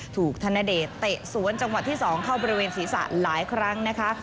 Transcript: ธนเดชเตะสวนจังหวัดที่๒เข้าบริเวณศีรษะหลายครั้งนะคะ